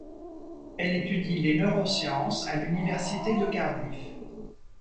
Elle étudie les neurosciences à l'Université de Cardiff.